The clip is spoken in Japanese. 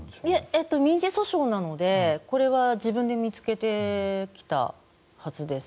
民事訴訟なのでこれは自分で見つけてきたはずです。